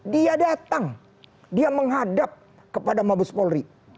dia datang dia menghadap kepada mabes polri